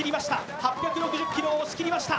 ８６０ｋｇを押し切りました。